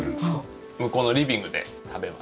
向こうのリビングで食べます。